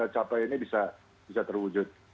capai ini bisa terwujud